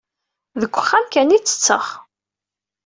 Deg wexxam kan i tetteɣ.